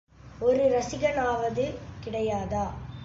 ஒரு ரசிகனாவது கிடையாதா?